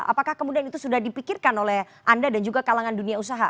apakah kemudian itu sudah dipikirkan oleh anda dan juga kalangan dunia usaha